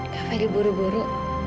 kak fadil buru buru